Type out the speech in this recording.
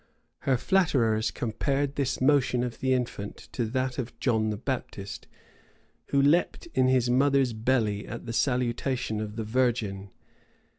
[*] Her flatterers compared this motion of the infant to that of John the Baptist, who, leaped in his mother's belly at the salutation of the Virgin.